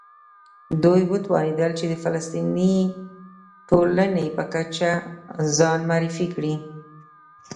دوی وتوانېدل چې د فلسطیني ټولنې په کچه ځان معرفي کړي.